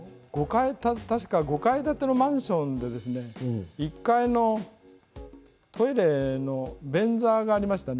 確か、５階建てのマンションで１階のトイレの便座がありましたね